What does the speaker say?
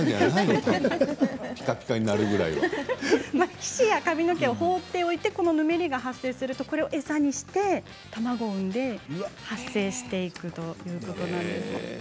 皮脂や髪の毛を放って置いてぬめりが発生するとそれを餌にして卵を産んで発生していくということなんです。